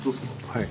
はい。